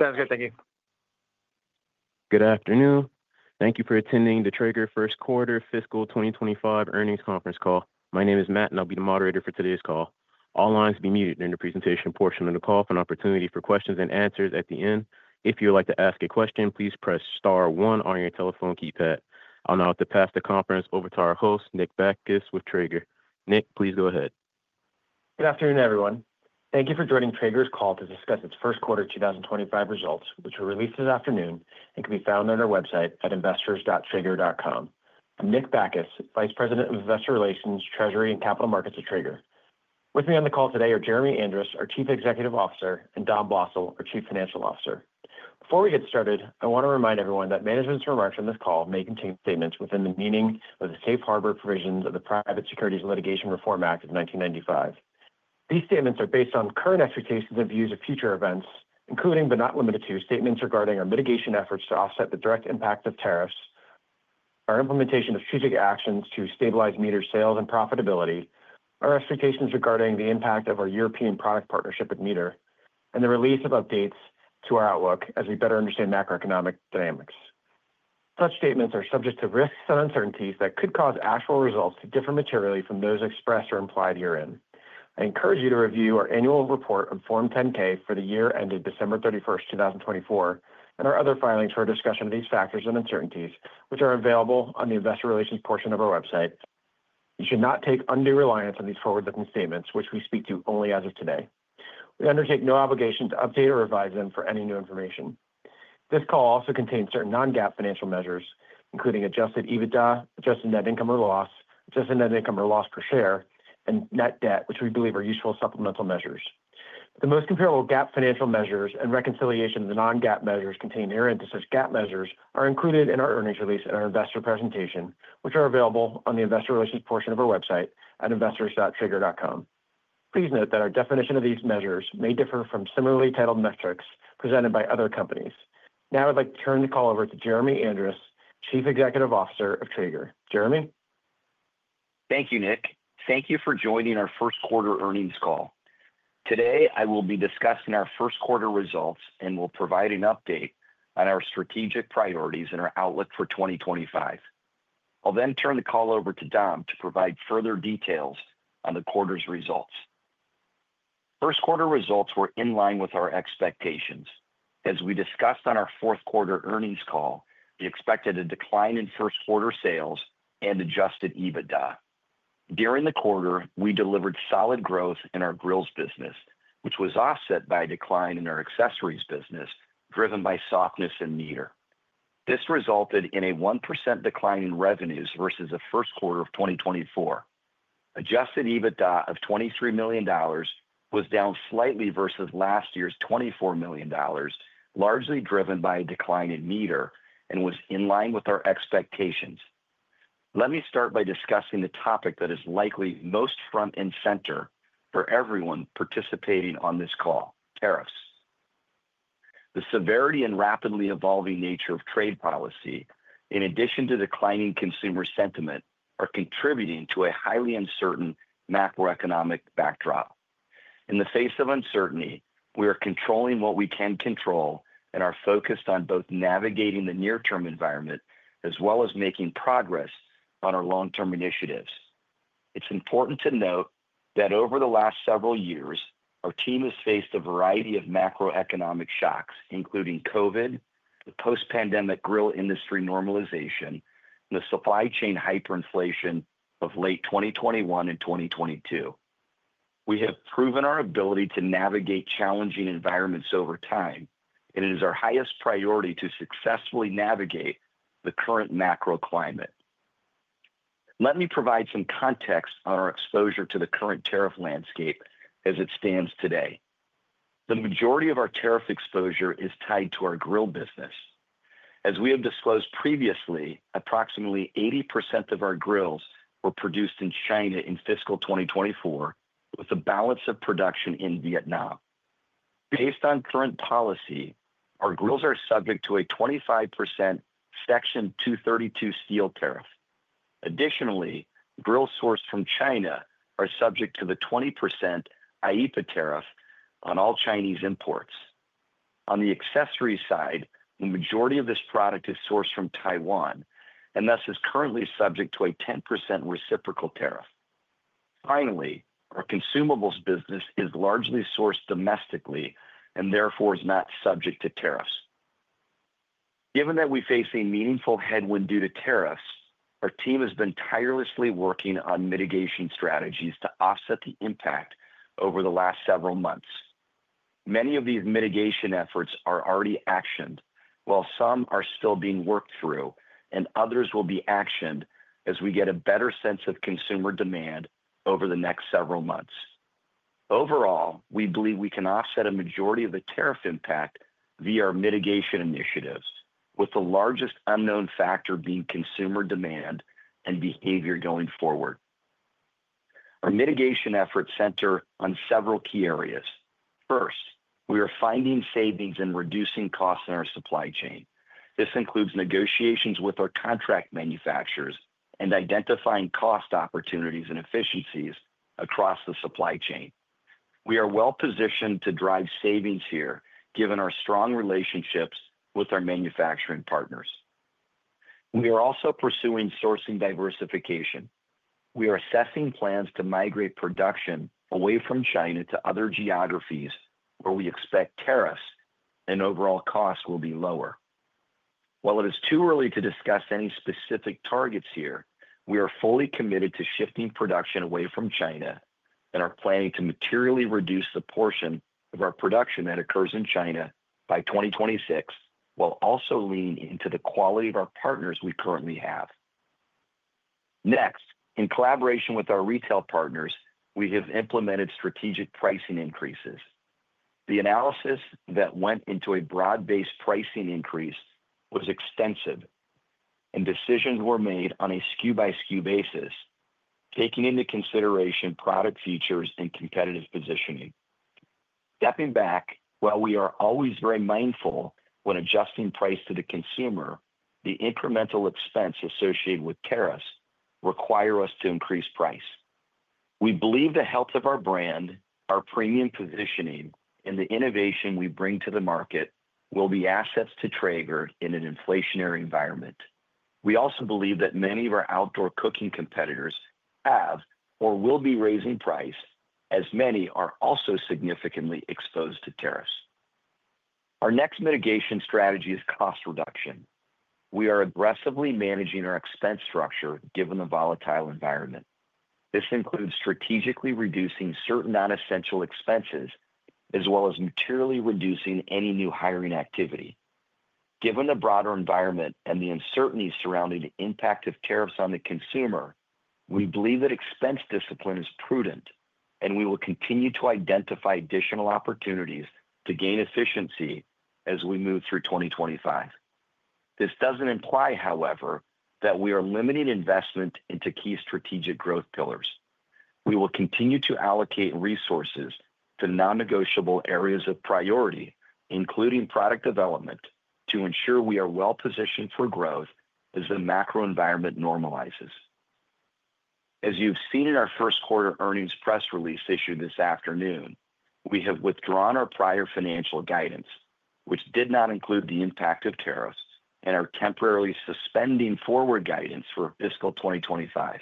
Sounds good, thank you. Good afternoon. Thank you for attending the Traeger first quarter fiscal 2025 earnings conference call. My name is Matt, and I'll be the moderator for today's call. All lines will be muted during the presentation portion of the call for an opportunity for questions and answers at the end. If you would like to ask a question, please press star one on your telephone keypad. I'll now pass the conference over to our host, Nick Bacchus, with Traeger. Nick, please go ahead. Good afternoon, everyone. Thank you for joining Traeger's call to discuss its first quarter 2025 results, which were released this afternoon and can be found on our website at investors.traeger.com. I'm Nick Bacchus, Vice President of Investor Relations, Treasury, and Capital Markets at Traeger. With me on the call today are Jeremy Andrus, our Chief Executive Officer, and Dom Blosil, our Chief Financial Officer. Before we get started, I want to remind everyone that management's remarks on this call may contain statements within the meaning of the Safe Harbor Provisions of the Private Securities Litigation Reform Act of 1995. These statements are based on current expectations and views of future events, including but not limited to statements regarding our mitigation efforts to offset the direct impact of tariffs, our implementation of strategic actions to stabilize MEATER's sales and profitability, our expectations regarding the impact of our European product partnership with MEATER, and the release of updates to our outlook as we better understand macroeconomic dynamics. Such statements are subject to risks and uncertainties that could cause actual results to differ materially from those expressed or implied herein. I encourage you to review our annual report on Form 10-K for the year ended December 31st, 2024, and our other filings for our discussion of these factors and uncertainties, which are available on the Investor Relations portion of our website. You should not place undue reliance on these forward-looking statements, which we speak to only as of today. We undertake no obligation to update or revise them for any new information. This call also contains certain non-GAAP financial measures, including adjusted EBITDA, adjusted net income or loss, adjusted net income or loss per share, and net debt, which we believe are useful supplemental measures. The most comparable GAAP financial measures and reconciliation of the non-GAAP measures contained here into such GAAP measures are included in our earnings release and our investor presentation, which are available on the Investor Relations portion of our website at investors.traeger.com. Please note that our definition of these measures may differ from similarly titled metrics presented by other companies. Now I'd like to turn the call over to Jeremy Andrus, Chief Executive Officer of Traeger. Jeremy. Thank you, Nick. Thank you for joining our first quarter earnings call. Today, I will be discussing our first quarter results and will provide an update on our strategic priorities and our outlook for 2025. I'll then turn the call over to Dom to provide further details on the quarter's results. First Quarter results were in line with our expectations. As we discussed on our fourth quarter earnings call, we expected a decline in first quarter sales and adjusted EBITDA. During the quarter, we delivered solid growth in our grills business, which was offset by a decline in our accessories business driven by softness in MEATER. This resulted in a 1% decline in revenues versus the first quarter of 2024. Adjusted EBITDA of $23 million was down slightly versus last year's $24 million, largely driven by a decline in MEATER, and was in line with our expectations. Let me start by discussing the topic that is likely most front and center for everyone participating on this call: tariffs. The severity and rapidly evolving nature of trade policy, in addition to declining consumer sentiment, are contributing to a highly uncertain macroeconomic backdrop. In the face of uncertainty, we are controlling what we can control and are focused on both navigating the near-term environment as well as making progress on our long-term initiatives. It's important to note that over the last several years, our team has faced a variety of macroeconomic shocks, including COVID, the post-pandemic grill industry normalization, and the supply chain hyperinflation of late 2021 and 2022. We have proven our ability to navigate challenging environments over time, and it is our highest priority to successfully navigate the current macro climate. Let me provide some context on our exposure to the current tariff landscape as it stands today. The majority of our tariff exposure is tied to our grill business. As we have disclosed previously, approximately 80% of our grills were produced in China in fiscal 2024, with a balance of production in Vietnam. Based on current policy, our grills are subject to a 25% Section 232 steel tariff. Additionally, grills sourced from China are subject to the 20% IEEPA tariff on all Chinese imports. On the accessories side, the majority of this product is sourced from Taiwan and thus is currently subject to a 10% reciprocal tariff. Finally, our consumables business is largely sourced domestically and therefore is not subject to tariffs. Given that we face a meaningful headwind due to tariffs, our team has been tirelessly working on mitigation strategies to offset the impact over the last several months. Many of these mitigation efforts are already actioned, while some are still being worked through, and others will be actioned as we get a better sense of consumer demand over the next several months. Overall, we believe we can offset a majority of the tariff impact via our mitigation initiatives, with the largest unknown factor being consumer demand and behavior going forward. Our mitigation efforts center on several key areas. First, we are finding savings and reducing costs in our supply chain. This includes negotiations with our contract manufacturers and identifying cost opportunities and efficiencies across the supply chain. We are well positioned to drive savings here, given our strong relationships with our manufacturing partners. We are also pursuing sourcing diversification. We are assessing plans to migrate production away from China to other geographies where we expect tariffs and overall costs will be lower. While it is too early to discuss any specific targets here, we are fully committed to shifting production away from China and are planning to materially reduce the portion of our production that occurs in China by 2026, while also leaning into the quality of our partners we currently have. Next, in collaboration with our retail partners, we have implemented strategic pricing increases. The analysis that went into a broad-based pricing increase was extensive, and decisions were made on a SKU-by-SKU basis, taking into consideration product features and competitive positioning. Stepping back, while we are always very mindful when adjusting price to the consumer, the incremental expense associated with tariffs requires us to increase price. We believe the health of our brand, our premium positioning, and the innovation we bring to the market will be assets to Traeger in an inflationary environment. We also believe that many of our outdoor cooking competitors have or will be raising price, as many are also significantly exposed to tariffs. Our next mitigation strategy is cost reduction. We are aggressively managing our expense structure given the volatile environment. This includes strategically reducing certain nonessential expenses as well as materially reducing any new hiring activity. Given the broader environment and the uncertainty surrounding the impact of tariffs on the consumer, we believe that expense discipline is prudent, and we will continue to identify additional opportunities to gain efficiency as we move through 2025. This does not imply, however, that we are limiting investment into key strategic growth pillars. We will continue to allocate resources to non-negotiable areas of priority, including product development, to ensure we are well positioned for growth as the macro environment normalizes. As you've seen in our first quarter earnings press release issued this afternoon, we have withdrawn our prior financial guidance, which did not include the impact of tariffs, and are temporarily suspending forward guidance for fiscal 2025.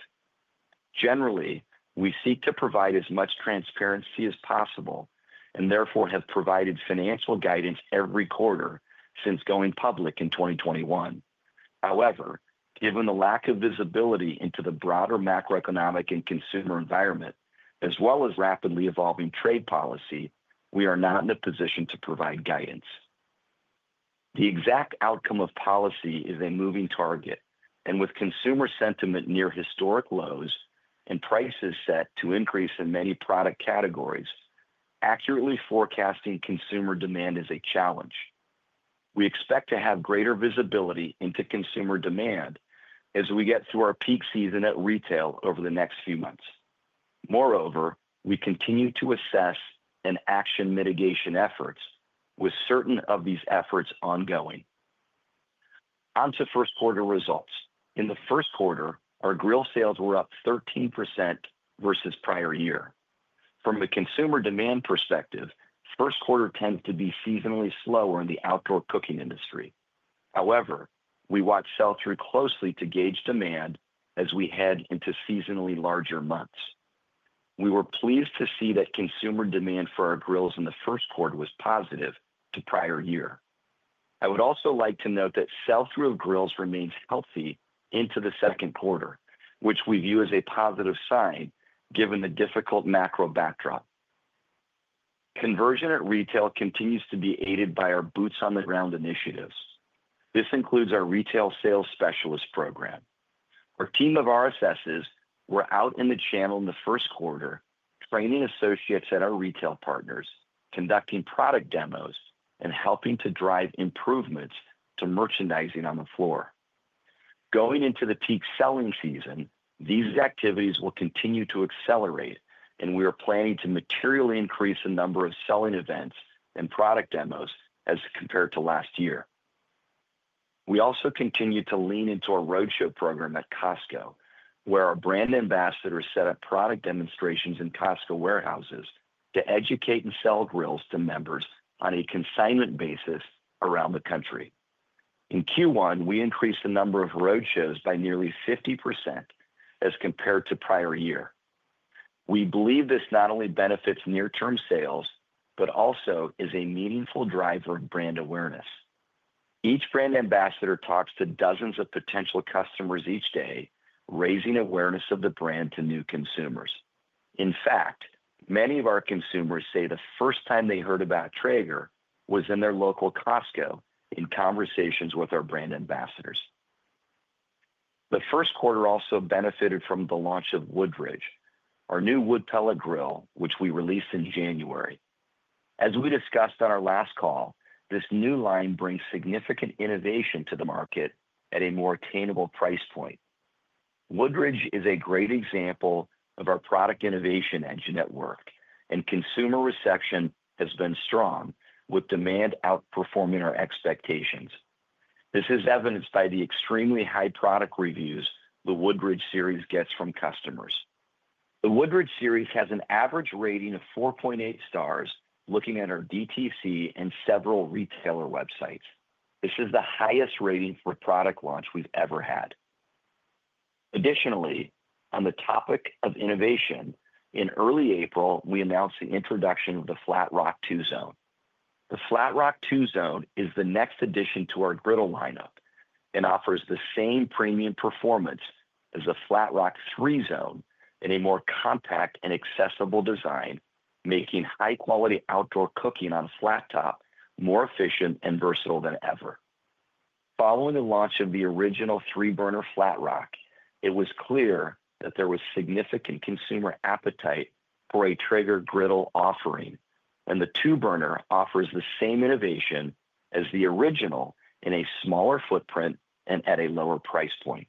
Generally, we seek to provide as much transparency as possible and therefore have provided financial guidance every quarter since going public in 2021. However, given the lack of visibility into the broader macroeconomic and consumer environment, as well as rapidly evolving trade policy, we are not in a position to provide guidance. The exact outcome of policy is a moving target, and with consumer sentiment near historic lows and prices set to increase in many product categories, accurately forecasting consumer demand is a challenge. We expect to have greater visibility into consumer demand as we get through our peak season at retail over the next few months. Moreover, we continue to assess and action mitigation efforts, with certain of these efforts ongoing. On to first quarter results. In the first quarter, our grill sales were up 13% versus prior year. From a consumer demand perspective, First Quarter tends to be seasonally slower in the outdoor cooking industry. However, we watched sell-through closely to gauge demand as we head into seasonally larger months. We were pleased to see that consumer demand for our grills in the first quarter was positive to prior year. I would also like to note that sell-through of grills remains healthy into the second quarter, which we view as a positive sign given the difficult macro backdrop. Conversion at retail continues to be aided by our boots-on-the-ground initiatives. This includes our retail sales specialist program. Our team of RSSs were out in the channel in the first quarter, training associates at our retail partners, conducting product demos, and helping to drive improvements to merchandising on the floor. Going into the peak selling season, these activities will continue to accelerate, and we are planning to materially increase the number of selling events and product demos as compared to last year. We also continue to lean into our roadshow program at Costco, where our brand ambassadors set up product demonstrations in Costco warehouses to educate and sell grills to members on a consignment basis around the country. In Q1, we increased the number of roadshows by nearly 50% as compared to prior year. We believe this not only benefits near-term sales, but also is a meaningful driver of brand awareness. Each brand ambassador talks to dozens of potential customers each day, raising awareness of the brand to new consumers. In fact, many of our consumers say the first time they heard about Traeger was in their local Costco in conversations with our brand ambassadors. The first quarter also benefited from the launch of Woodridge, our new wood pellet grill, which we released in January. As we discussed on our last call, this new line brings significant innovation to the market at a more attainable price point. Woodridge is a great example of our product innovation engine at work, and consumer reception has been strong, with demand outperforming our expectations. This is evidenced by the extremely high product reviews the Woodridge series gets from customers. The Woodridge series has an average rating of 4.8 stars looking at our DTC and several retailer websites. This is the highest rating for a product launch we've ever had. Additionally, on the topic of innovation, in early April, we announced the introduction of the Flatrock 2 Zone. The Flatrock 2 Zone is the next addition to our griddle lineup and offers the same premium performance as the Flatrock 3 Zone in a more compact and accessible design, making high-quality outdoor cooking on a flattop more efficient and versatile than ever. Following the launch of the original three-burner Flatrock, it was clear that there was significant consumer appetite for a Traeger griddle offering, and the two-burner offers the same innovation as the original in a smaller footprint and at a lower price point.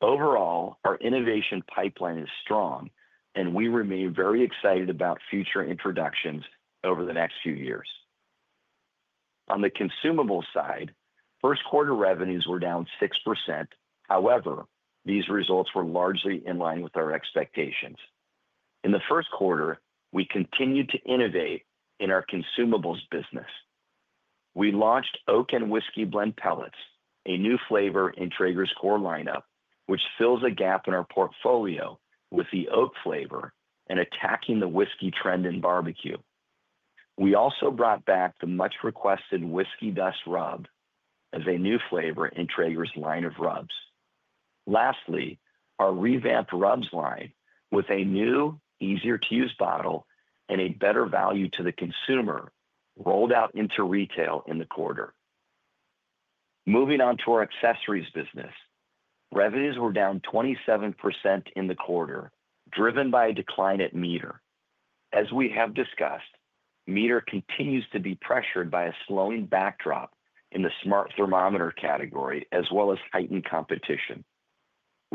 Overall, our innovation pipeline is strong, and we remain very excited about future introductions over the next few years. On the consumable side, first quarter revenues were down 6%. However, these results were largely in line with our expectations. In the first quarter, we continued to innovate in our consumables business. We launched Oak and Whiskey Blend Pellets, a new flavor in Traeger's core lineup, which fills a gap in our portfolio with the oak flavor and attacking the whiskey trend in barbecue. We also brought back the much-requested Whiskey Dust Rub as a new flavor in Traeger's line of rubs. Lastly, our revamped rubs line, with a new, easier-to-use bottle and a better value to the consumer, rolled out into retail in the quarter. Moving on to our accessories business, revenues were down 27% in the quarter, driven by a decline at MEATER. As we have discussed, MEATER continues to be pressured by a slowing backdrop in the smart thermometer category, as well as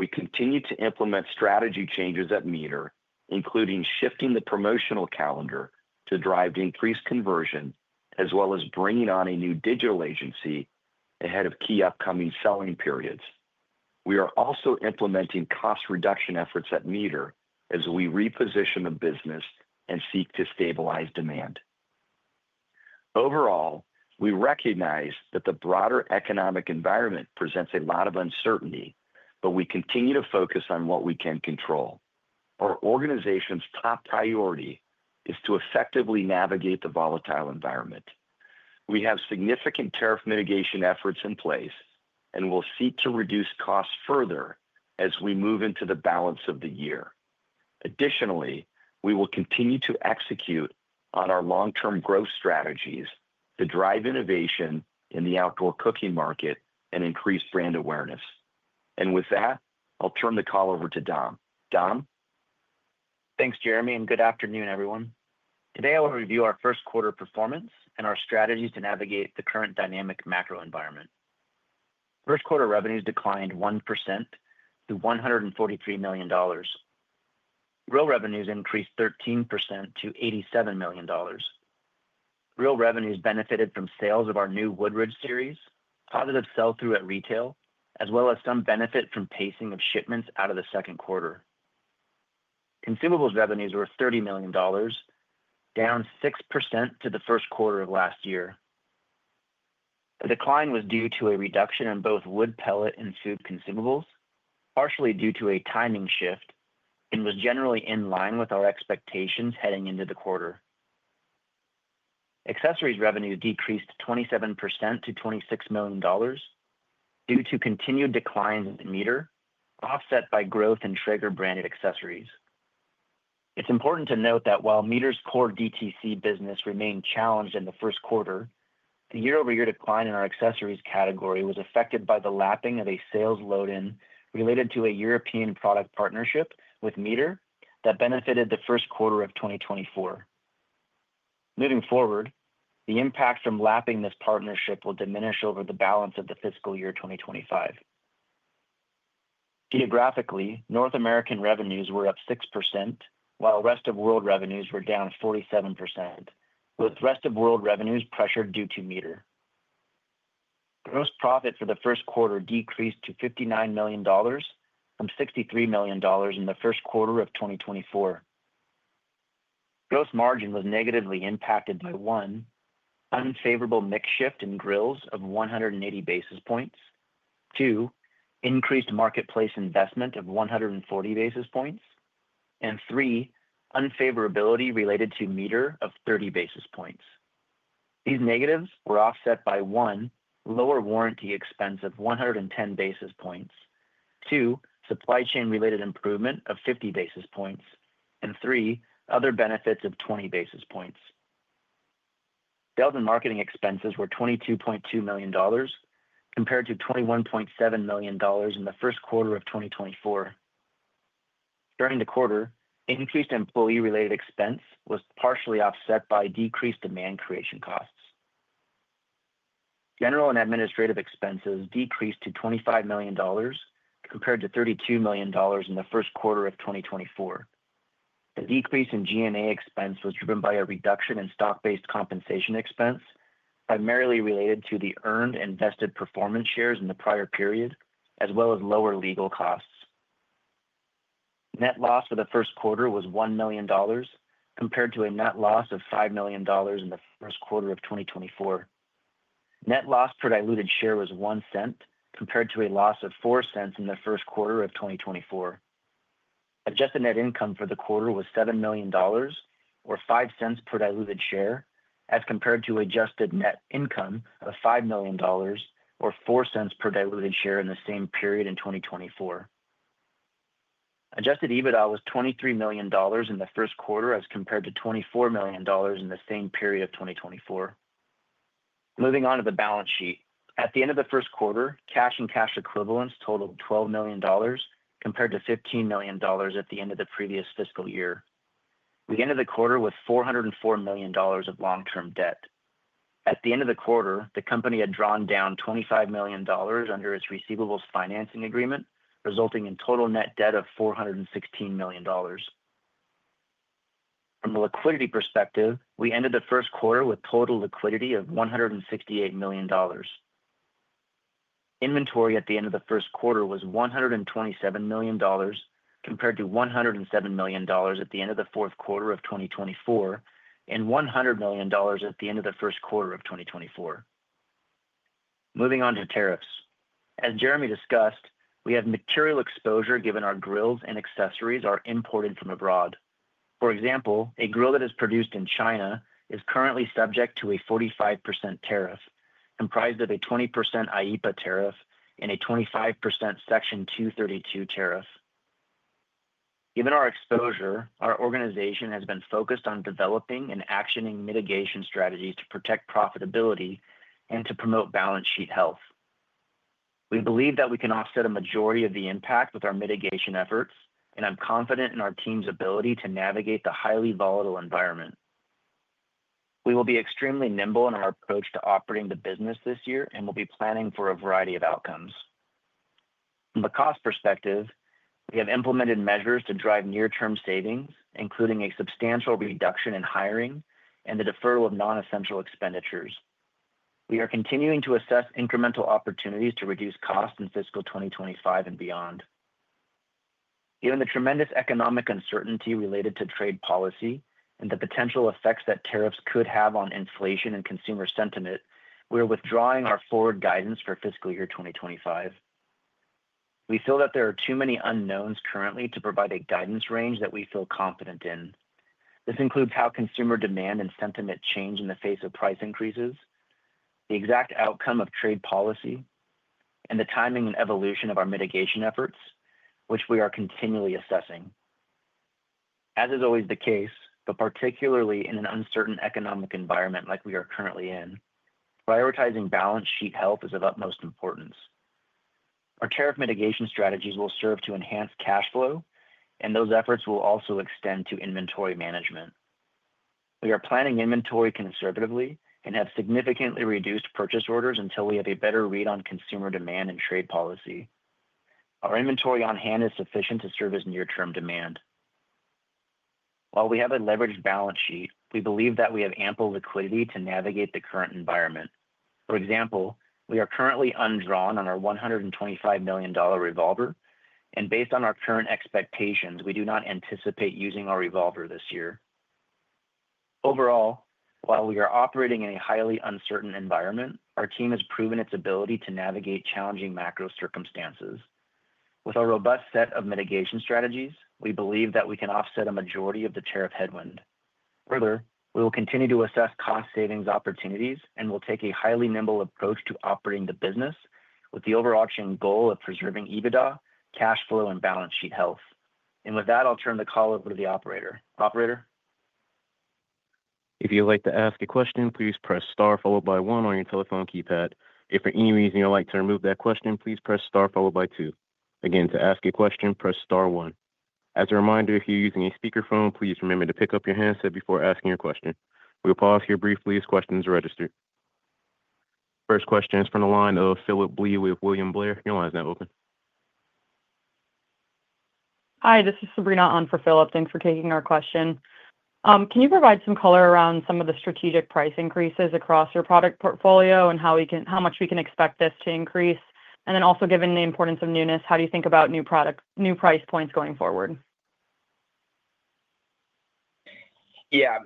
heightened competition. We continue to implement strategy changes at MEATER, including shifting the promotional calendar to drive increased conversion, as well as bringing on a new digital agency ahead of key upcoming selling periods. We are also implementing cost reduction efforts at MEATER as we reposition the business and seek to stabilize demand. Overall, we recognize that the broader economic environment presents a lot of uncertainty, but we continue to focus on what we can control. Our organization's top priority is to effectively navigate the volatile environment. We have significant tariff mitigation efforts in place and will seek to reduce costs further as we move into the balance of the year. Additionally, we will continue to execute on our long-term growth strategies to drive innovation in the outdoor cooking market and increase brand awareness. With that, I'll turn the call over to Dom. Dom? Thanks, Jeremy, and good afternoon, everyone. Today, I will review our first quarter performance and our strategies to navigate the current dynamic macro environment. First quarter revenues declined 1% to $143 million. Retail revenues increased 13% to $87 million. Retail revenues benefited from sales of our new Woodridge series, positive sell-through at retail, as well as some benefit from pacing of shipments out of the second quarter. Consumables revenues were $30 million, down 6% to the first quarter of last year. The decline was due to a reduction in both wood pellet and sauce consumables, partially due to a timing shift, and was generally in line with our expectations heading into the quarter. Accessories revenues decreased 27% to $26 million due to continued declines in MEATER, offset by growth in Traeger branded accessories. It's important to note that while MEATER's core DTC business remained challenged in the first quarter, the year-over-year decline in our accessories category was affected by the lapping of a sales load-in related to a European product partnership with MEATER that benefited the first quarter of 2024. Moving forward, the impact from lapping this partnership will diminish over the balance of the fiscal year 2025. Geographically, North American revenues were up 6%, while rest-of-world revenues were down 47%, with rest-of-world revenues pressured due to MEATER. Gross profit for the first quarter decreased to $59 million from $63 million in the first quarter of 2024. Gross margin was negatively impacted by, one, unfavorable mix shift in grills of 180 basis points, two, increased marketplace investment of 140 basis points, and three, unfavorability related to MEATER of 30 basis points. These negatives were offset by, one, lower warranty expense of 110 basis points; two, supply chain-related improvement of 50 basis points; and three, other benefits of 20 basis points. Sales and marketing expenses were $22.2 million compared to $21.7 million in the first quarter of 2024. During the quarter, increased employee-related expense was partially offset by decreased demand creation costs. General and administrative expenses decreased to $25 million compared to $32 million in the first quarter of 2024. The decrease in G&A expense was driven by a reduction in stock-based compensation expense, primarily related to the earned and vested performance shares in the prior period, as well as lower legal costs. Net loss for the first quarter was $1 million compared to a net loss of $5 million in the First Quarter of 2024. Net loss per diluted share was $0.01 compared to a loss of $0.04 in the first quarter of 2024. Adjusted net income for the quarter was $7 million, or $0.05 per diluted share, as compared to adjusted net income of $5 million, or $0.04 per diluted share in the same period in 2024. Adjusted EBITDA was $23 million in the first quarter as compared to $24 million in the same period of 2024. Moving on to the balance sheet. At the end of the first quarter, cash and cash equivalents totaled $12 million compared to $15 million at the end of the previous fiscal year. The end of the quarter was $404 million of long-term debt. At the end of the quarter, the company had drawn down $25 million under its receivables financing agreement, resulting in total net debt of $416 million. From a liquidity perspective, we ended the first quarter with total liquidity of $168 million. Inventory at the end of the first quarter was $127 million compared to $107 million at the end of the fourth quarter of 2024 and $100 million at the end of the first quarter of 2024. Moving on to tariffs. As Jeremy discussed, we have material exposure given our grills and accessories are imported from abroad. For example, a grill that is produced in China is currently subject to a 45% tariff, comprised of a 20% IEEPA tariff and a 25% Section 232 tariff. Given our exposure, our organization has been focused on developing and actioning mitigation strategies to protect profitability and to promote balance sheet health. We believe that we can offset a majority of the impact with our mitigation efforts, and I'm confident in our team's ability to navigate the highly volatile environment. We will be extremely nimble in our approach to operating the business this year and will be planning for a variety of outcomes. From a cost perspective, we have implemented measures to drive near-term savings, including a substantial reduction in hiring and the deferral of non-essential expenditures. We are continuing to assess incremental opportunities to reduce costs in fiscal 2025 and beyond. Given the tremendous economic uncertainty related to trade policy and the potential effects that tariffs could have on inflation and consumer sentiment, we are withdrawing our forward guidance for fiscal year 2025. We feel that there are too many unknowns currently to provide a guidance range that we feel confident in. This includes how consumer demand and sentiment change in the face of price increases, the exact outcome of trade policy, and the timing and evolution of our mitigation efforts, which we are continually assessing. As is always the case, but particularly in an uncertain economic environment like we are currently in, prioritizing balance sheet health is of utmost importance. Our tariff mitigation strategies will serve to enhance cash flow, and those efforts will also extend to inventory management. We are planning inventory conservatively and have significantly reduced purchase orders until we have a better read on consumer demand and trade policy. Our inventory on hand is sufficient to serve as near-term demand. While we have a leveraged balance sheet, we believe that we have ample liquidity to navigate the current environment. For example, we are currently undrawn on our $125 million revolver, and based on our current expectations, we do not anticipate using our revolver this year. Overall, while we are operating in a highly uncertain environment, our team has proven its ability to navigate challenging macro circumstances. With our robust set of mitigation strategies, we believe that we can offset a majority of the tariff headwind. Further, we will continue to assess cost savings opportunities and will take a highly nimble approach to operating the business with the overarching goal of preserving EBITDA, cash flow, and balance sheet health. With that, I'll turn the call over to the operator. Operator. If you'd like to ask a question, please press Star followed by one on your telephone keypad. If for any reason you'd like to remove that question, please press Star followed by two. Again, to ask a question, press Star one. As a reminder, if you're using a speakerphone, please remember to pick up your handset before asking your question. We'll pause here briefly as questions are registered. First question is from the line of Phillip Blee with William Blair. Your line's now open. Hi, this is Sabrina On for Philip. Thanks for taking our question. Can you provide some color around some of the strategic price increases across your product portfolio and how much we can expect this to increase? Also, given the importance of newness, how do you think about new price points going forward? Yeah,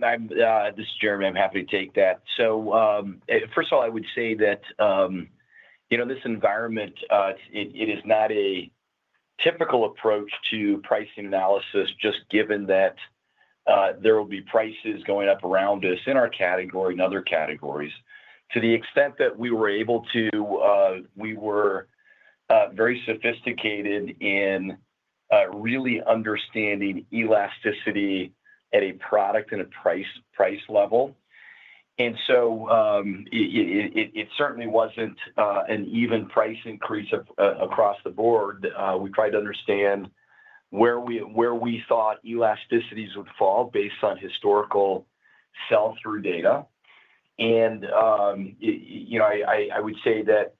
this is Jeremy. I'm happy to take that. First of all, I would say that this environment, it is not a typical approach to pricing analysis, just given that there will be prices going up around us in our category and other categories. To the extent that we were able to, we were very sophisticated in really understanding elasticity at a product and a price level. It certainly was not an even price increase across the board. We tried to understand where we thought elasticities would fall based on historical sell-through data. I would say that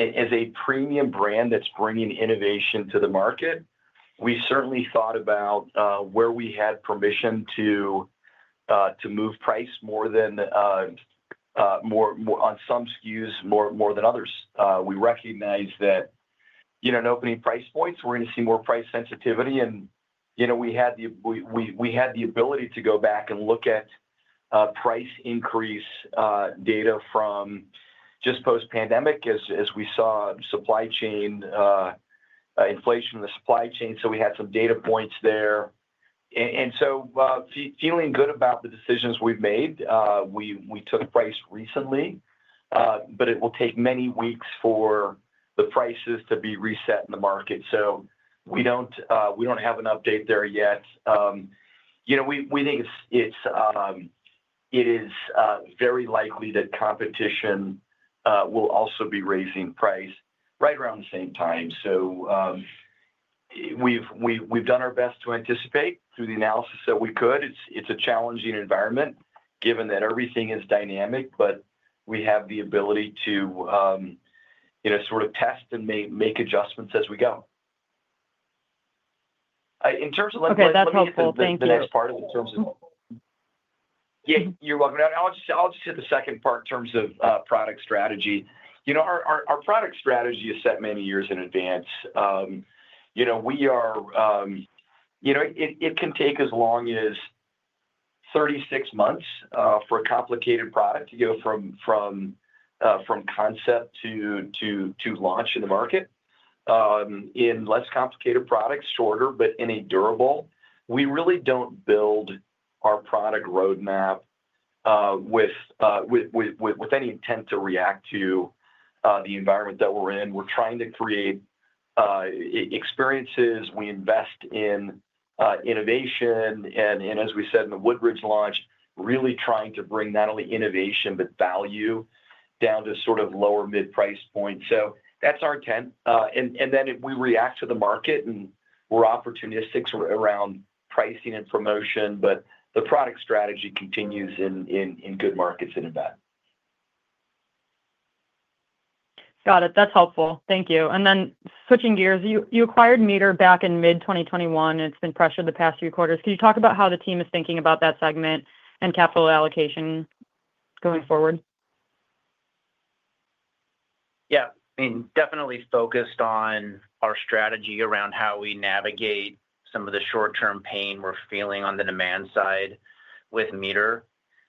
as a premium brand that's bringing innovation to the market, we certainly thought about where we had permission to move price more on some SKUs than others. We recognize that in opening price points, we're going to see more price sensitivity. We had the ability to go back and look at price increase data from just post-pandemic as we saw inflation in the supply chain. We had some data points there. Feeling good about the decisions we've made, we took price recently, but it will take many weeks for the prices to be reset in the market. We don't have an update there yet. We think it is very likely that competition will also be raising price right around the same time. We've done our best to anticipate through the analysis that we could. It's a challenging environment given that everything is dynamic, but we have the ability to sort of test and make adjustments as we go. In terms of—. okay, that's helpful. Thank you. The next part in terms of—yeah, you're welcome. I'll just hit the second part in terms of product strategy. Our product strategy is set many years in advance. We are—it can take as long as 36 months for a complicated product to go from concept to launch in the market. In less complicated products, shorter, but in a durable, we really don't build our product roadmap with any intent to react to the environment that we're in. We're trying to create experiences. We invest in innovation. As we said in the Woodridge launch, really trying to bring not only innovation but value down to sort of lower mid-price points. That is our intent. Then we react to the market, and we're opportunistic around pricing and promotion, but the product strategy continues in good markets and in bad. Got it. That's helpful. Thank you. Switching gears, you acquired MEATER back in mid-2021, and it's been pressured the past few quarters. Can you talk about how the team is thinking about that segment and capital allocation going forward? Yeah. I mean, definitely focused on our strategy around how we navigate some of the short-term pain we're feeling on the demand side with MEATER.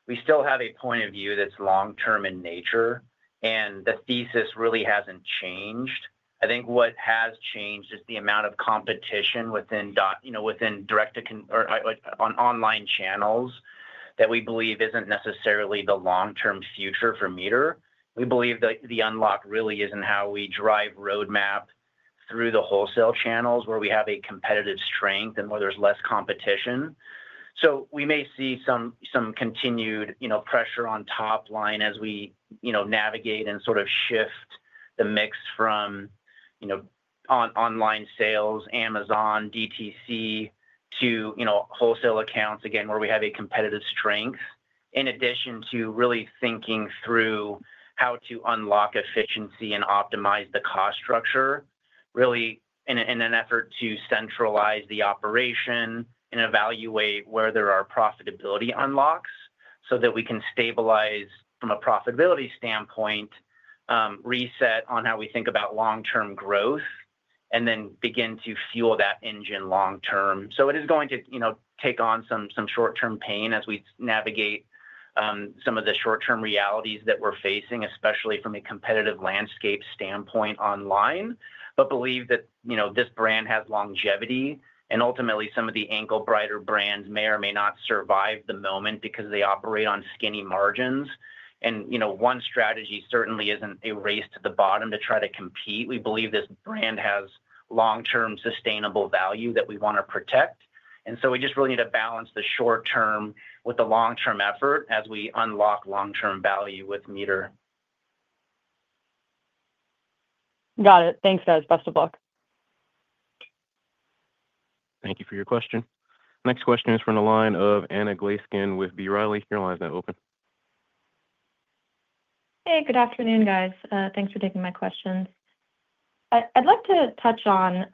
We still have a point of view that's long-term in nature, and the thesis really hasn't changed. I think what has changed is the amount of competition within direct to online channels that we believe isn't necessarily the long-term future for MEATER. We believe that the unlock really is in how we drive roadmap through the wholesale channels where we have a competitive strength and where there's less competition. We may see some continued pressure on top line as we navigate and sort of shift the mix from online sales, Amazon, DTC, to wholesale accounts, again, where we have a competitive strength, in addition to really thinking through how to unlock efficiency and optimize the cost structure, really in an effort to centralize the operation and evaluate where there are profitability unlocks so that we can stabilize from a profitability standpoint, reset on how we think about long-term growth, and then begin to fuel that engine long-term. It is going to take on some short-term pain as we navigate some of the short-term realities that we're facing, especially from a competitive landscape standpoint online, but believe that this brand has longevity. Ultimately, some of the angle brighter brands may or may not survive the moment because they operate on skinny margins. One strategy certainly isn't a race to the bottom to try to compete. We believe this brand has long-term sustainable value that we want to protect. We just really need to balance the short-term with the long-term effort as we unlock long-term value with MEATER. Got it. Thanks, guys. Best of luck. Thank you for your question. Next question is from the line of Anna Glaessgen with B. Riley. Your line's now open. Hey, good afternoon, guys. Thanks for taking my questions. I'd like to touch on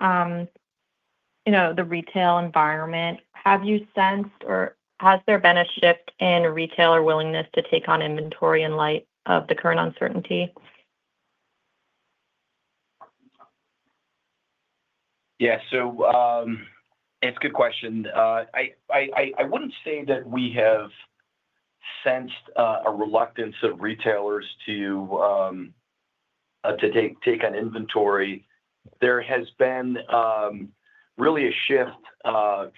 the retail environment. Have you sensed or has there been a shift in retailer willingness to take on inventory in light of the current uncertainty? Yeah. It's a good question. I wouldn't say that we have sensed a reluctance of retailers to take on inventory. There has been really a shift in our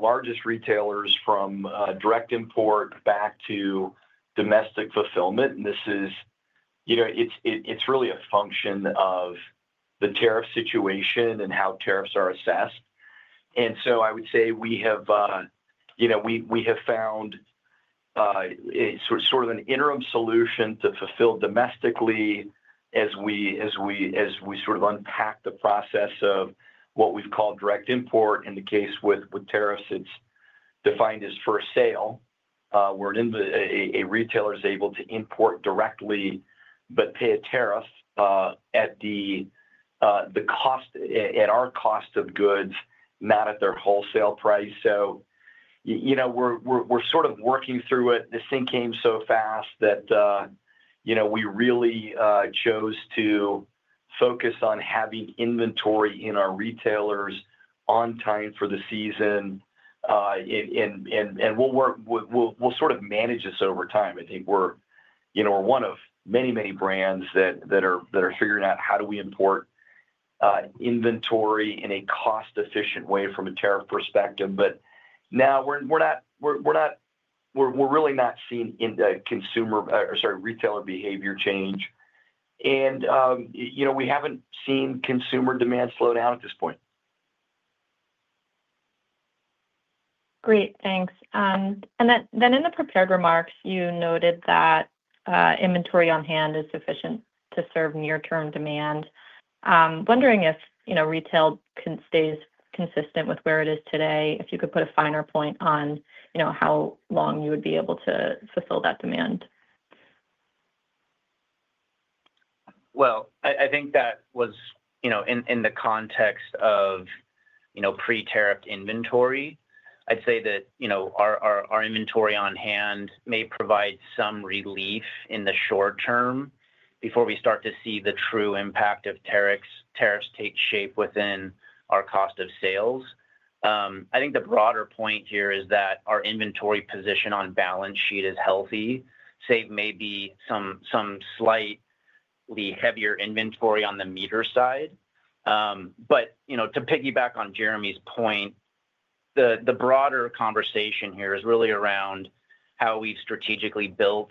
largest retailers from direct import back to domestic fulfillment. This is really a function of the tariff situation and how tariffs are assessed. I would say we have found sort of an interim solution to fulfill domestically as we sort of unpack the process of what we've called direct import. In the case with tariffs, it's defined as for sale, where a retailer is able to import directly but pay a tariff at our cost of goods, not at their wholesale price. We're sort of working through it. This thing came so fast that we really chose to focus on having inventory in our retailers on time for the season. We will sort of manage this over time. I think we are one of many, many brands that are figuring out how do we import inventory in a cost-efficient way from a tariff perspective. Now we are really not seeing retailer behavior change. We have not seen consumer demand slow down at this point. Great. Thanks. In the prepared remarks, you noted that inventory on hand is sufficient to serve near-term demand. Wondering if retail stays consistent with where it is today, if you could put a finer point on how long you would be able to fulfill that demand. I think that was in the context of pre-tariffed inventory. I'd say that our inventory on hand may provide some relief in the short term before we start to see the true impact of tariffs take shape within our cost of sales. I think the broader point here is that our inventory position on balance sheet is healthy, save maybe some slightly heavier inventory on the MEATER side. To piggyback on Jeremy's point, the broader conversation here is really around how we've strategically built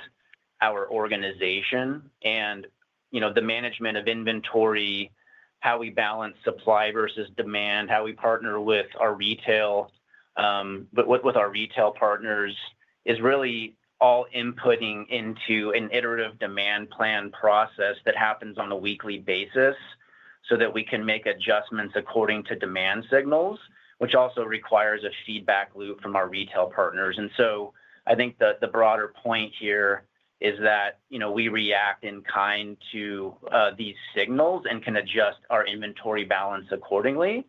our organization and the management of inventory, how we balance supply versus demand, how we partner with our retail, but with our retail partners is really all inputting into an iterative demand plan process that happens on a weekly basis so that we can make adjustments according to demand signals, which also requires a feedback loop from our retail partners. I think the broader point here is that we react in kind to these signals and can adjust our inventory balance accordingly.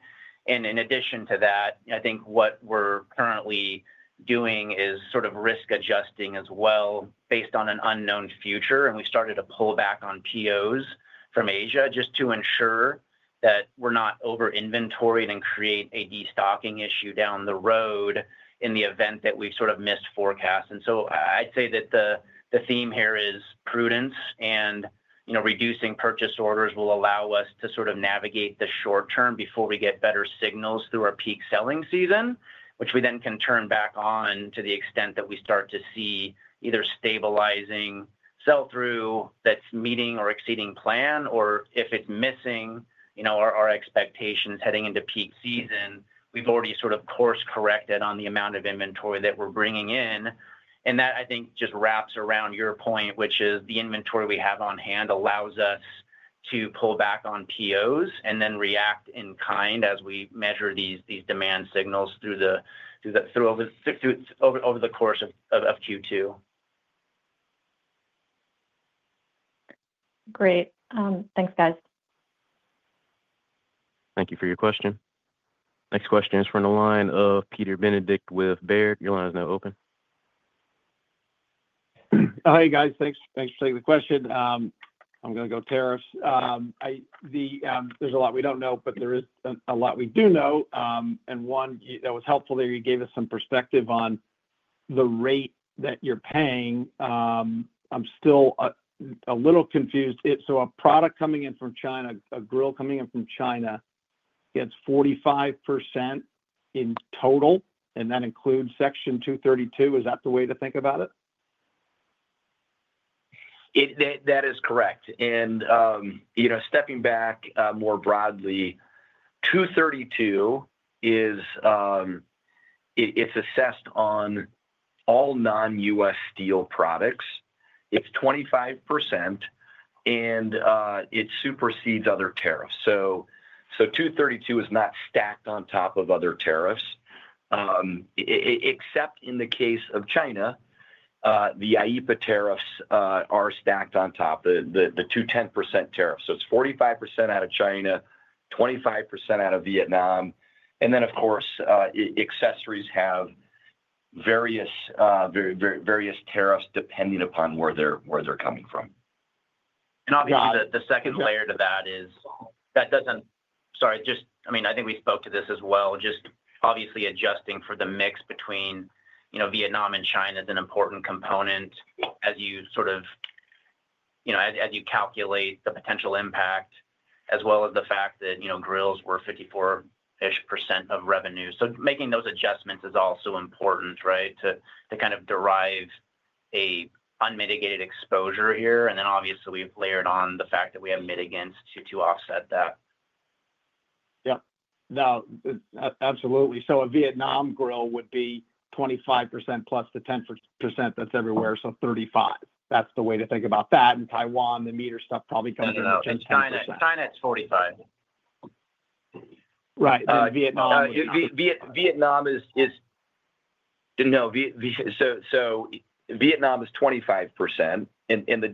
In addition to that, I think what we're currently doing is sort of risk adjusting as well based on an unknown future. We started to pull back on POs from Asia just to ensure that we're not over-inventorying and create a destocking issue down the road in the event that we've sort of missed forecasts. I'd say that the theme here is prudence, and reducing purchase orders will allow us to sort of navigate the short-term before we get better signals through our peak selling season, which we then can turn back on to the extent that we start to see either stabilizing sell-through that's meeting or exceeding plan, or if it's missing our expectations heading into peak season, we've already sort of course-corrected on the amount of inventory that we're bringing in. That, I think, just wraps around your point, which is the inventory we have on hand allows us to pull back on POs and then react in kind as we measure these demand signals through over the course of Q2. Great. Thanks, guys. Thank you for your question. Next question is from the line of Peter Benedict with Baird. Your line is now open. Hey, guys. Thanks for taking the question. I'm going to go tariffs. There's a lot we don't know, but there is a lot we do know. One, that was helpful that you gave us some perspective on the rate that you're paying. I'm still a little confused. A product coming in from China, a grill coming in from China, gets 45% in total, and that includes Section 232. Is that the way to think about it? That is correct. Stepping back more broadly, 232 is assessed on all non-U.S. steel products. It's 25%, and it supersedes other tariffs. 232 is not stacked on top of other tariffs, except in the case of China, the IEEPA tariffs are stacked on top of the 210% tariff. It's 45% out of China, 25% out of Vietnam. Of course, accessories have various tariffs depending upon where they're coming from. Obviously, the second layer to that is that doesn't—sorry. I mean, I think we spoke to this as well. Just obviously adjusting for the mix between Vietnam and China is an important component as you sort of calculate the potential impact, as well as the fact that grills were 54-ish % of revenue. Making those adjustments is also important, right, to kind of derive an unmitigated exposure here. Obviously, we've layered on the fact that we have mitigants to offset that. Yeah. No, absolutely. A Vietnam grill would be 25%+ the 10% that's everywhere, so 35%. That's the way to think about that. Taiwan, the MEATER stuff probably comes in at just 20%. China is 45%. Right. Vietnam is—no. Vietnam is 25%. The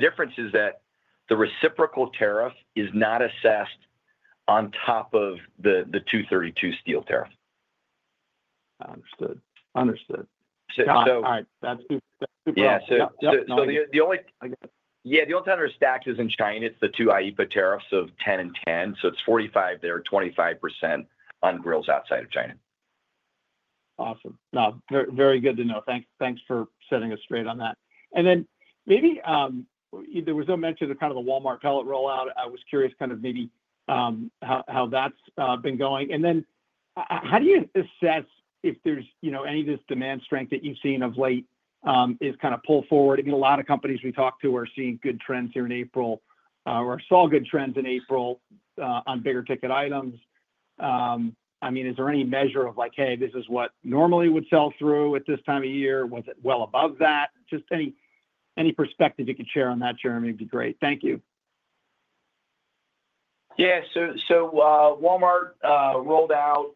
difference is that the reciprocal tariff is not assessed on top of the 232 steel tariff. Understood. Understood. All right. That's super helpful. Yeah. The only time they're stacked is in China. It's the two IEPA tariffs of 10 and 10. So it's 45 there, 25% on grills outside of China. Awesome. No, very good to know. Thanks for setting us straight on that. Maybe there was no mention of kind of the Walmart pellet rollout. I was curious kind of maybe how that's been going. And then how do you assess if there's any of this demand strength that you've seen of late is kind of pulled forward? I mean, a lot of companies we talked to are seeing good trends here in April or saw good trends in April on bigger ticket items. I mean, is there any measure of like, "Hey, this is what normally would sell through at this time of year? Was it well above that?" Just any perspective you could share on that, Jeremy, would be great. Thank you. Yeah. Walmart rolled out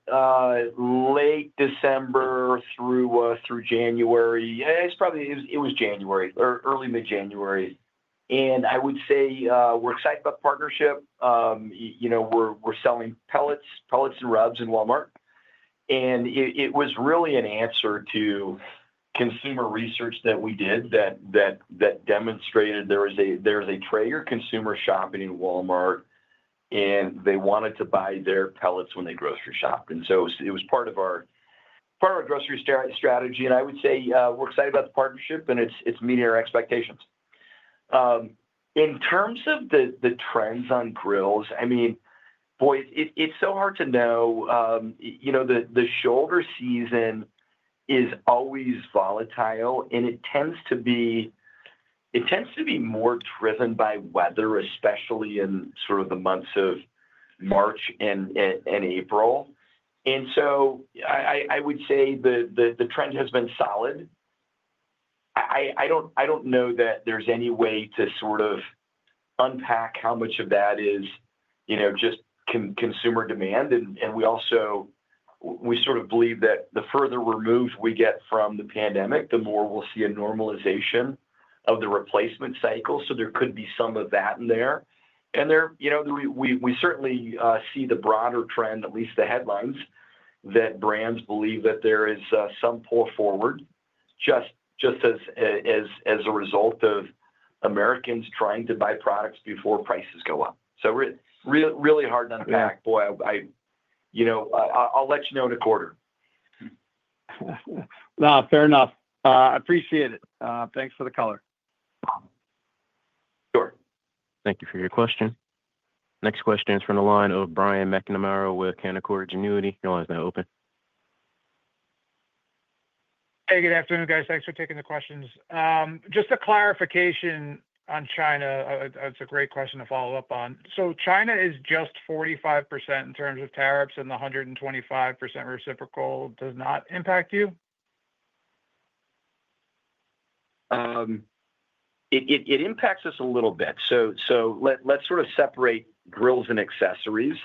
late December through January. It was January, early mid-January. I would say we're excited about the partnership. We're selling pellets and rubs in Walmart. It was really an answer to consumer research that we did that demonstrated there is a Traeger consumer shopping in Walmart, and they wanted to buy their pellets when they grocery shopped. It was part of our grocery strategy. I would say we're excited about the partnership, and it's meeting our expectations. In terms of the trends on grills, I mean, boy, it's so hard to know. The shoulder season is always volatile, and it tends to be more driven by weather, especially in sort of the months of March and April. I would say the trend has been solid. I do not know that there is any way to sort of unpack how much of that is just consumer demand. We sort of believe that the further removed we get from the pandemic, the more we will see a normalization of the replacement cycle. There could be some of that in there. We certainly see the broader trend, at least the headlines, that brands believe that there is some pull forward just as a result of Americans trying to buy products before prices go up. Really hard to unpack. Ben, I will let you know in a quarter. No, fair enough. I appreciate it. Thanks for the color. Sure. Thank you for your question. Next question is from the line of Brian McNamara with Canaccord Genuity. Your line's now open. Hey, good afternoon, guys. Thanks for taking the questions. Just a clarification on China. It's a great question to follow up on. China is just 45% in terms of tariffs, and the 125% reciprocal does not impact you? It impacts us a little bit. Let's sort of separate grills and accessories.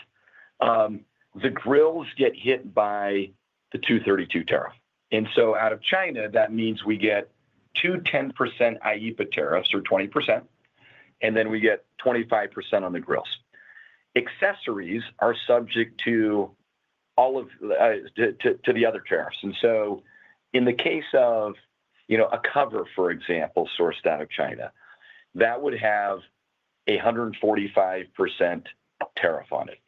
The grills get hit by the 232 tariff. Out of China, that means we get 210% IEEPA tariffs or 20%, and then we get 25% on the grills. Accessories are subject to all of the other tariffs. In the case of a cover, for example, sourced out of China, that would have a 145% tariff on it.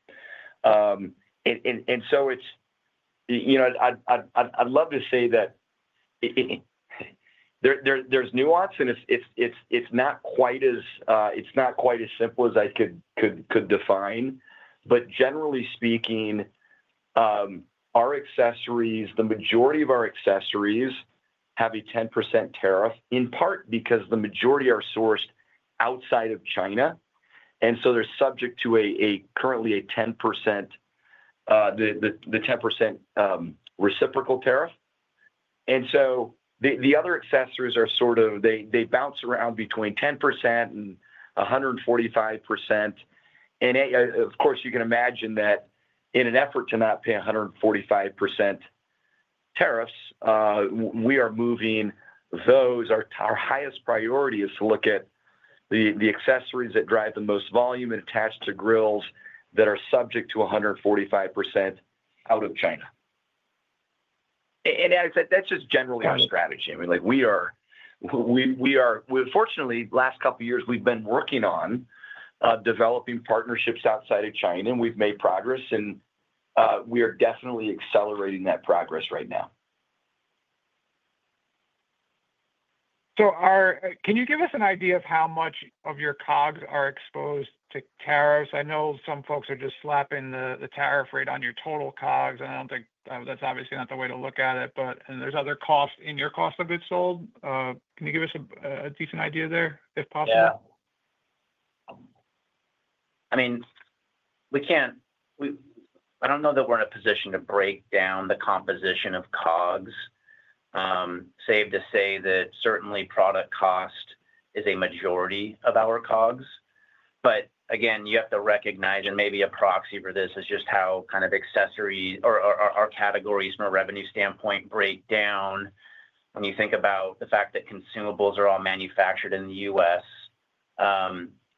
I'd love to say that there's nuance, and it's not quite as simple as I could define. Generally speaking, the majority of our accessories have a 10% tariff, in part because the majority are sourced outside of China. They're subject to currently a 10% reciprocal tariff. The other accessories sort of bounce around between 10% and 145%. Of course, you can imagine that in an effort to not pay 145% tariffs, we are moving those. Our highest priority is to look at the accessories that drive the most volume and attach to grills that are subject to 145% out of China. That's just generally our strategy. I mean, fortunately, the last couple of years, we've been working on developing partnerships outside of China, and we've made progress. We are definitely accelerating that progress right now. Can you give us an idea of how much of your COGS are exposed to tariffs? I know some folks are just slapping the tariff rate on your total COGS, and I do not think that is obviously the way to look at it. There are other costs in your cost of goods sold. Can you give us a decent idea there, if possible? Yeah. I mean, I do not know that we are in a position to break down the composition of COGS, save to say that certainly product cost is a majority of our COGS. Again, you have to recognize, and maybe a proxy for this is just how kind of accessories or our categories from a revenue standpoint break down. When you think about the fact that consumables are all manufactured in the U.S.,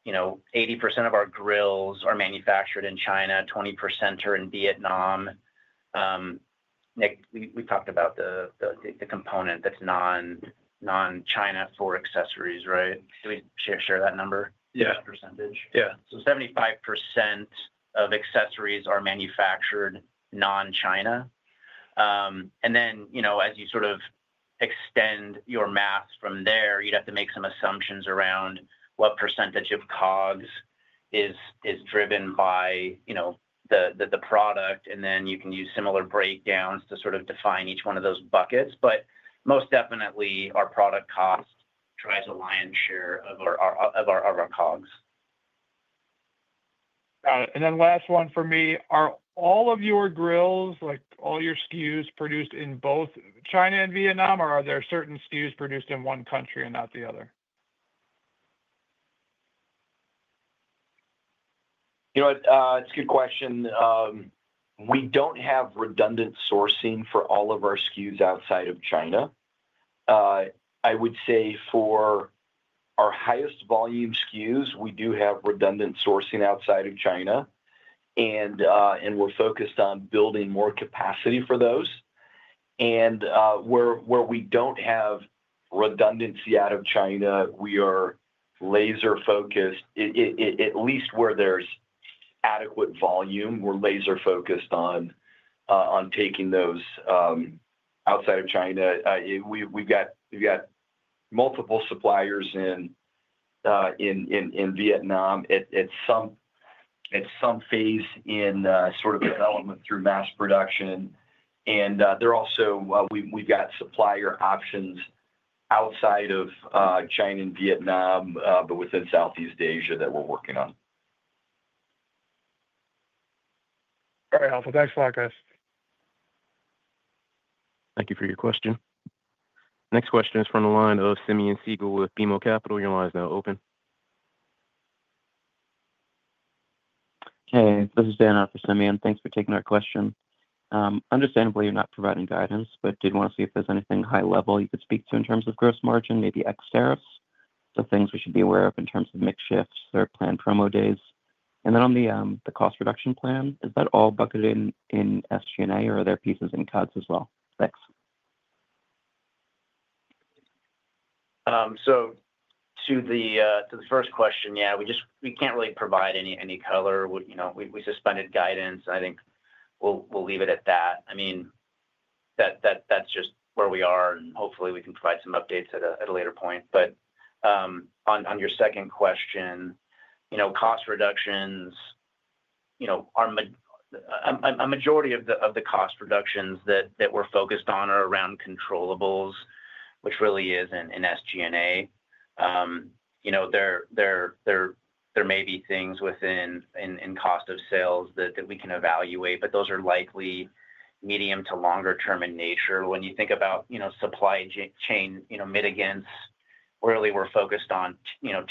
80% of our grills are manufactured in China, 20% are in Vietnam. Nick, we talked about the component that's non-China for accessories, right? Can we share that number, that percentage? Yeah, 75% So 75% of accessories are manufactured non-China. As you sort of extend your math from there, you'd have to make some assumptions around what percentage of COGS is driven by the product. You can use similar breakdowns to sort of define each one of those buckets. Most definitely, our product cost drives a lion's share of our COGS. Got it. Last one for me. Are all of your grills, all your SKUs produced in both China and Vietnam, or are there certain SKUs produced in one country and not the other? It's a good question. We do not have redundant sourcing for all of our SKUs outside of China. I would say for our highest volume SKUs, we do have redundant sourcing outside of China, and we are focused on building more capacity for those. Where we do not have redundancy out of China, we are laser-focused. At least where there is adequate volume, we are laser-focused on taking those outside of China. We have multiple suppliers in Vietnam at some phase in sort of development through mass production. We have supplier options outside of China and Vietnam, but within Southeast Asia that we are working on. All right, Helpful. Thanks a lot, guys. Thank you for your question. Next question is from the line of Simeon Siegel with BMO Capital. Your line is now open. Hey, this is Dan after Simeon. Thanks for taking our question. Understandably, you're not providing guidance, but did want to see if there's anything high-level you could speak to in terms of gross margin, maybe X tariffs. Things we should be aware of in terms of mix shifts or planned promo days. On the cost reduction plan, is that all bucketed in SG&A or are there pieces in COGS as well? Thanks. To the first question, yeah, we can't really provide any color. We suspended guidance. I think we'll leave it at that. I mean, that's just where we are, and hopefully, we can provide some updates at a later point. On your second question, cost reductions, a majority of the cost reductions that we're focused on are around controllables, which really is in SG&A. There may be things within cost of sales that we can evaluate, but those are likely medium to longer-term in nature. When you think about supply chain mitigants, really, we're focused on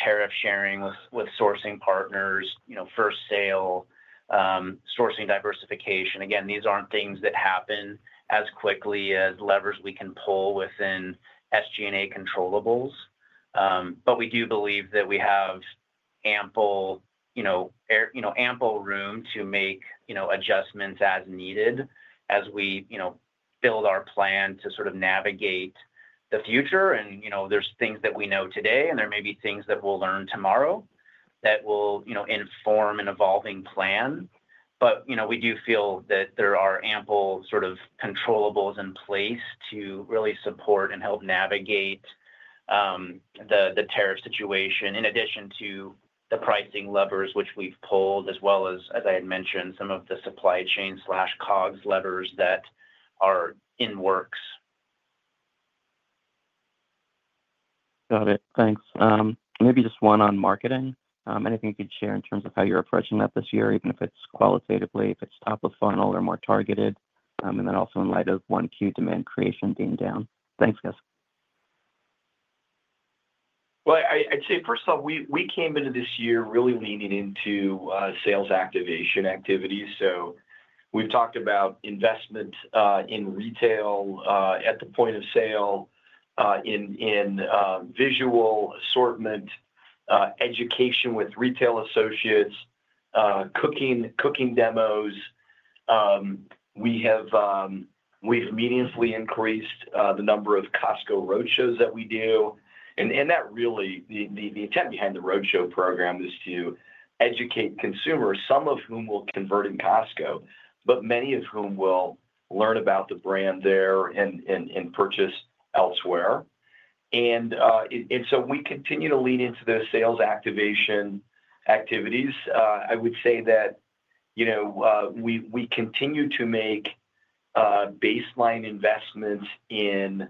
tariff sharing with sourcing partners, first sale, sourcing diversification. Again, these aren't things that happen as quickly as levers we can pull within SG&A controllables. We do believe that we have ample room to make adjustments as needed as we build our plan to sort of navigate the future. There's things that we know today, and there may be things that we'll learn tomorrow that will inform an evolving plan. We do feel that there are ample sort of controllable in place to really support and help navigate the tariff situation, in addition to the pricing levers which we've pulled, as well as, as I had mentioned, some of the supply chain/COGS levers that are in works. Got it. Thanks. Maybe just one on marketing. Anything you could share in terms of how you're approaching that this year, even if it's qualitatively, if it's top of funnel or more targeted, and then also in light of Q1 demand creation being down? Thanks, guys. I would say, first of all, we came into this year really leaning into sales activation activities. We have talked about investment in retail at the point of sale, in visual assortment, education with retail associates, cooking demos. We have meaningfully increased the number of Costco roadshows that we do. The intent behind the roadshow program is to educate consumers, some of whom will convert in Costco, but many of whom will learn about the brand there and purchase elsewhere. We continue to lean into those sales activation activities. I would say that we continue to make baseline investments in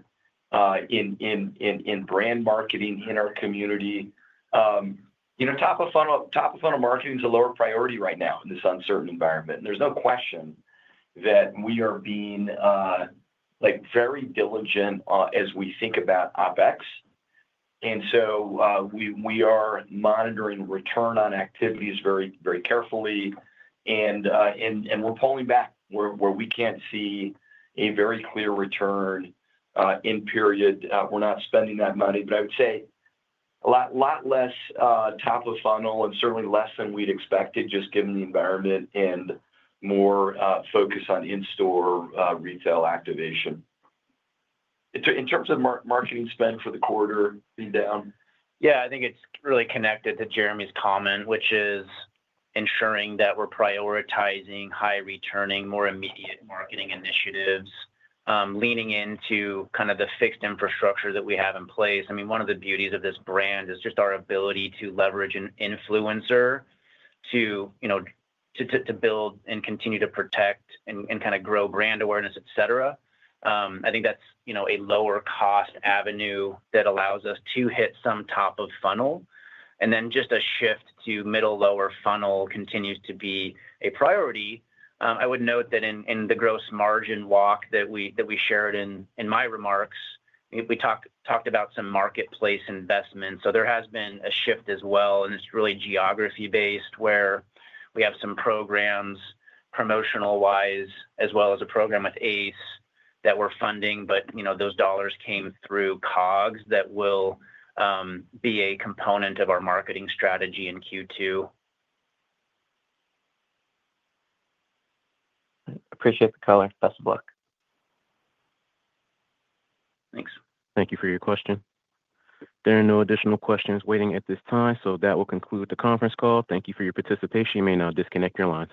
brand marketing in our community. Top of funnel marketing is a lower priority right now in this uncertain environment. There is no question that we are being very diligent as we think about OpEx. We are monitoring return on activities very carefully. We are pulling back where we cannot see a very clear return in period. We are not spending that money. I would say a lot less top of funnel and certainly less than we had expected, just given the environment, and more focus on in-store retail activation. In terms of marketing spend for the quarter being down, I think it is really connected to Jeremy's comment, which is ensuring that we are prioritizing high-returning, more immediate marketing initiatives, leaning into kind of the fixed infrastructure that we have in place. I mean, one of the beauties of this brand is just our ability to leverage an influencer to build and continue to protect and kind of grow brand awareness, etc. I think that's a lower-cost avenue that allows us to hit some top of funnel. Then just a shift to middle/lower funnel continues to be a priority. I would note that in the gross margin walk that we shared in my remarks, we talked about some marketplace investments. There has been a shift as well, and it's really geography-based where we have some programs promotional-wise, as well as a program with Ace that we're funding. Those dollars came through COGS that will be a component of our marketing strategy in Q2. Appreciate the color. Best of luck. Thanks. Thank you for your question. There are no additional questions waiting at this time, so that will conclude the conference call. Thank you for your participation. You may now disconnect your line.